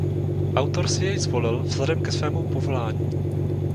Autor si jej zvolil vzhledem ke svému povolání.